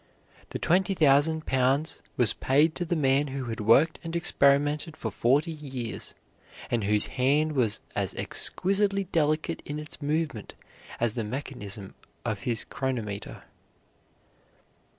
The 20,000 pounds was paid to the man who had worked and experimented for forty years, and whose hand was as exquisitely delicate in its movement as the mechanism of his chronometer.